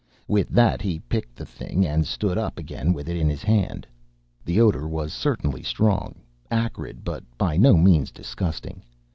With that he picked the thing, and stood up again with it in his hand. The odour was certainly strong acrid, but by no means disgusting.